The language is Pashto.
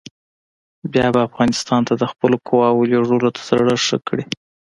بیا به افغانستان ته د خپلو قواوو لېږلو ته زړه ښه کړي.